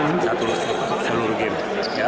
satu seluruh game